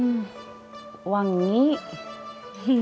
mak cari kue